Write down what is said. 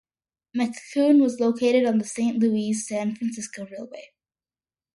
McCune was located on the Saint Louis-San Francisco Railway.